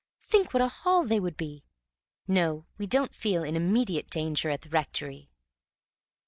Think what a haul they would be! No; we don't feel in immediate danger at the rectory."